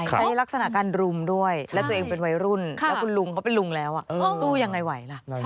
ลักษณะการรุมด้วยและตัวเองเป็นวัยรุ่นแล้วคุณลุงเขาเป็นลุงแล้วสู้ยังไงไหวล่ะ